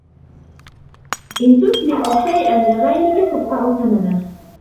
إِنَّ تُتْلِفُ شِيئًا لِغَيْرِكَ تَدْفَعْ ثَمَنَهُ.